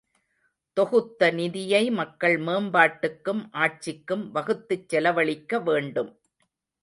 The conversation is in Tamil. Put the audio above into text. தொகுத்த நிதியை மக்கள் மேம்பாட்டுக்கும் ஆட்சிக்கும் வகுத்துச் செலவழிக்க வேண்டும்.